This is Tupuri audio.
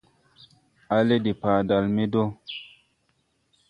A lɛ de padal me dɔ.